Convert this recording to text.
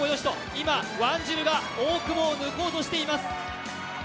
今、ワンジルが大久保を抜こうとしています。